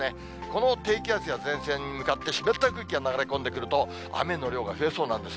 この低気圧や前線に向かって湿った空気が流れ込んでくると、雨の量が増えそうなんです。